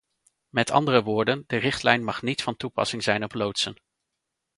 Met andere woorden, de richtlijn mag niet van toepassing zijn op loodsen.